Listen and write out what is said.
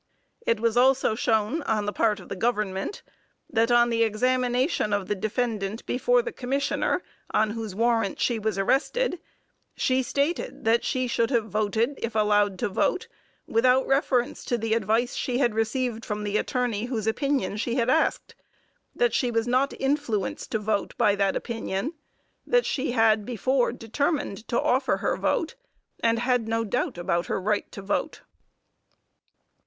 It was also shown on the part of the government, that on the examination of the defendant before the commissioner, on whose warrant she was arrested, she stated that she should have voted, if allowed to vote, without reference to the advice she had received from the attorney whose opinion she had asked; that she was not influenced to vote by that opinion; that she had before determined to offer her vote, and had no doubt about her right to vote.